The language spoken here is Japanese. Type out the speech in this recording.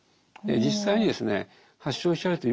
実際にですね